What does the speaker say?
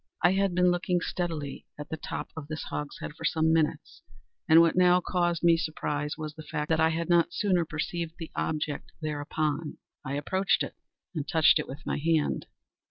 I had been looking steadily at the top of this hogshead for some minutes, and what now caused me surprise was the fact that I had not sooner perceived the object thereupon. I approached it, and touched it with my hand.